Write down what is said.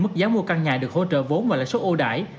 mức giá mua căn nhà được hỗ trợ vốn và lại suốt ưu đại